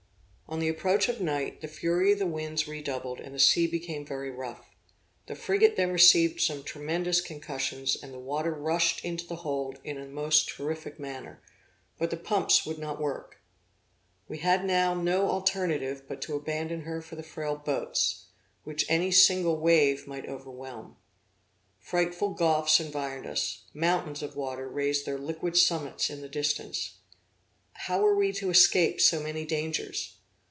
On the approach of night, the fury of the winds redoubled, and the sea became very rough. The frigate then received some tremendous concussions, and the water rushed into the hold in the most terrific manner, but the pumps would not work. We had now no alternative but to abandon her for the frail boats, which any single wave might overwhelm. Frightful gulfs environed us; mountains of water raised their liquid summits in the distance. How were we to escape so many dangers?